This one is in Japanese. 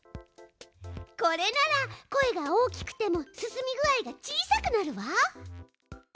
これなら声が大きくても進み具合が小さくなるわ。